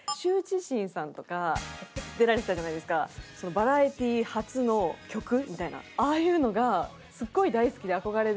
バラエティ発の曲みたいなああいうのがすごい大好きで憧れで。